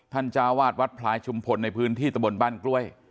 จ้าวาดวัดพลายชุมพลในพื้นที่ตะบนบ้านกล้วย